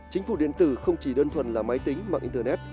chính phủ điện tử không chỉ đơn thuần là máy tính mạng internet